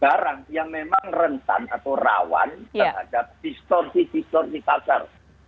barang yang memang rentan atau rawan terhadap distorsi distorsi pasar